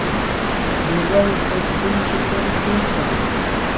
¿De verdade fai facer iso coa lista de espera?